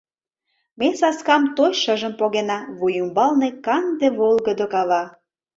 Ме саскам той шыжым погена. Вуй ӱмбалне канде, волгыдо кава.